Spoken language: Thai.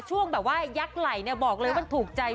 ช่วงแบบว่ายักษ์ไหล่บอกเลยว่าถูกใจ